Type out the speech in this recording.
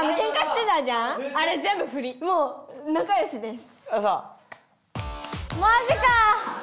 もうなかよしです。